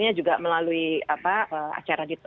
untuk memastikan bisa dilaksanakan di lapangan